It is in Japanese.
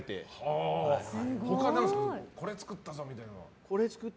他、これ作ったぞみたいなのは。